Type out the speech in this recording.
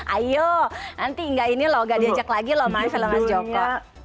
ayo nanti enggak ini loh gak diajak lagi loh main sama mas joko